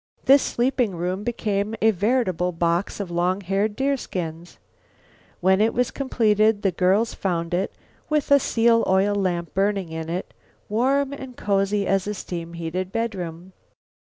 This sleeping room became a veritable box of long haired deerskins. When it was completed the girls found it, with a seal oil lamp burning in it, warm and cozy as a steam heated bedroom.